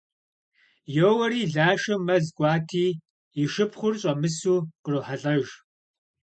Йоуэри, Лашэ мэз кӏуати, и шыпхъур щӏэмысу кърохьэлӏэж.